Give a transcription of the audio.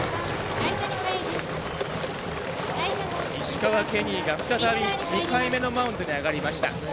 石川ケニーが再び２回目のマウンドに上がりました。